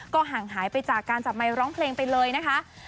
ห่างหายไปจากการจับไมค์ร้องเพลงไปเลยนะคะ